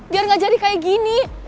biar gak jadi kayak gini